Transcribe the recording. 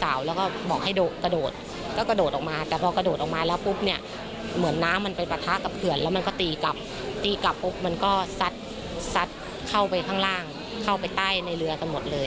ซัดเข้าไปข้างล่างเข้าไปใต้ในเรือกันหมดเลย